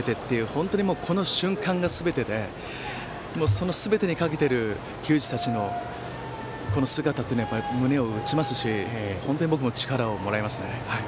本当にこの瞬間がすべてでそのすべてにかけている球児たちの姿というのは胸を打ちますし僕も力をもらいますね。